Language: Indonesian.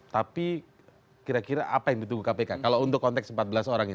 tapi kira kira apa yang ditunggu kpk kalau untuk konteks empat belas orang ini